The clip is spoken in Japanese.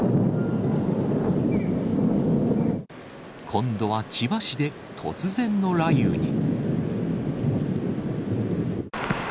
今度は千葉市で突然の雷雨に。